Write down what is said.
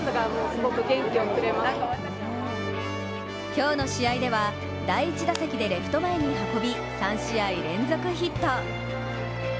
今日の試合では第１打席でレフト前に運び３試合連続ヒット！